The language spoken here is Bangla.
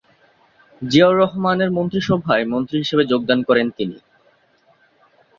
জিয়াউর রহমানের মন্ত্রীসভায় মন্ত্রী হিসেবে যোগদান করেন তিনি।